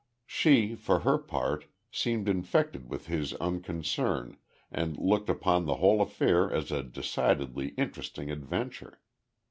She for her part, seemed infected with his unconcern, and looked upon the whole affair as a decidedly interesting adventure.